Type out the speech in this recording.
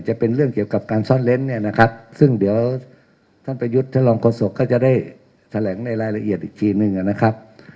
เป็นเรื่องเกี่ยวกับการซ่อนเล้นเนี่ยนะครับซึ่งเดี๋ยวท่านประยุทธ์ท่านรองโฆษกก็จะได้แถลงในรายละเอียดอีกทีหนึ่งนะครับ